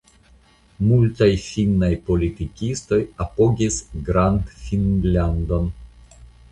Multaj finnaj politikistoj apogis Grandfinnlandon.